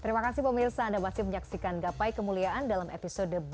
terima kasih pemirsa anda masih menyaksikan gapai kemuliaan dalam episode